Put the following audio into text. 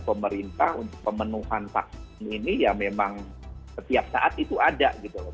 pemerintah untuk pemenuhan vaksin ini ya memang setiap saat itu ada gitu loh